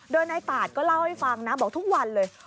โดยนายตาดก็เล่าให้ฟังนะบอกทุกวันเลย